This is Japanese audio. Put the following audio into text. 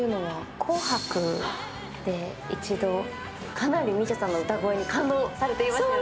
かなりＭＩＳＩＡさんの歌声に感動されていましたね。